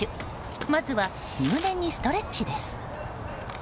まずは入念にストレッチです。